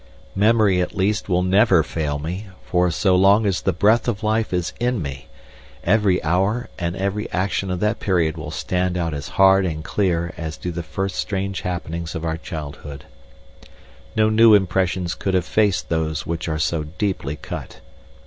Memory, at least, will never fail me, for so long as the breath of life is in me, every hour and every action of that period will stand out as hard and clear as do the first strange happenings of our childhood. No new impressions could efface those which are so deeply cut.